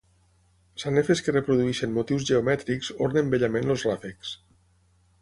Sanefes que reprodueixen motius geomètriques ornen bellament els ràfecs.